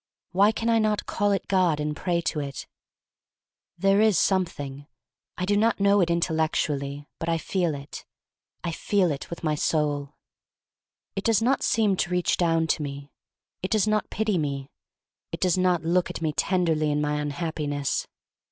Why can I not call it God and pray to it? There is Something — I do not know it intellectually, but I feel it — I feel it — with my soul. It does not seem to reach down to me. It does not pity me. It does not look at me tenderly in my unhappiness.